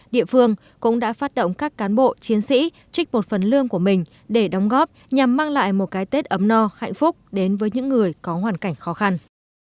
địa phương cũng đã phát động các cán bộ chiến sĩ trích một phần lương của mình để đóng góp nhằm mang lại một cái tết ấm no hạnh phúc đến với những người có hoàn cảnh khó khăn